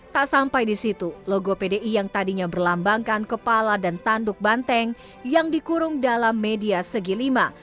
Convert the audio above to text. tak sampai di situ logo pdi yang tadinya berlambangkan kepala dan tanduk banteng yang dikurung dalam media segi lima